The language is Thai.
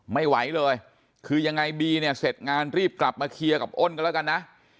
ไม่ไหวเลยคือยังไงบีเนี่ยเสร็จงานรีบกลับมาเคลียร์กับอ้นกันแล้วกันนะ